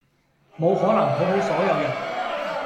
無可能討好所有人